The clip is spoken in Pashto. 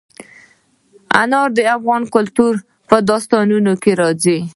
انار د افغان کلتور په داستانونو کې راځي.